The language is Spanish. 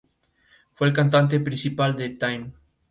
Fue el cantante principal de Time.